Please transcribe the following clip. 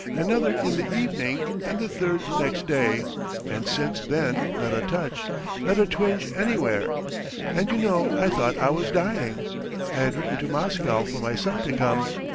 Another in the evening, and the third next day; and since then not a touch! Not a twinge anywhere! And you know I thought I was dying, I had written to Moscow for my son to come!